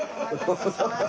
ハハハ